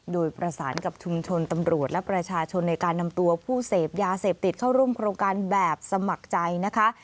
โดยประสานกับชุมชนตำรวจและประชาชนในการนำตัวผู้เสพยาเสพติดเข้าร่วมโครงการแบบสมัครใจนะคะ